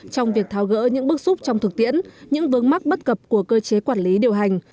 trong việc tháo gỡ những bước xúc trong thực tiễn những vướng mắc bất cập của cơ chế quản lý điều hành